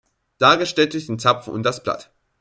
Dargestellt durch den Zapfen und das Blatt.